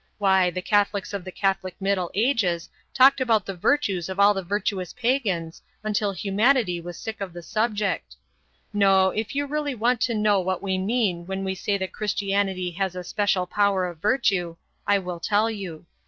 Why, the Catholics of the Catholic Middle Ages talked about the virtues of all the virtuous Pagans until humanity was sick of the subject. No, if you really want to know what we mean when we say that Christianity has a special power of virtue, I will tell you.